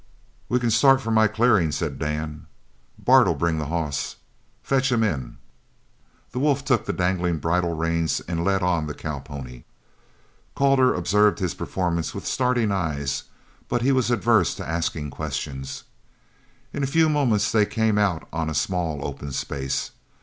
"We can start for my clearing," said Dan. "Bart'll bring the hoss. Fetch him in." The wolf took the dangling bridle reins and led on the cowpony. Calder observed his performance with starting eyes, but he was averse to asking questions. In a few moments they came out on a small open space.